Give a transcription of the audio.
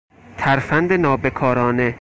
ترفند نا بکارانه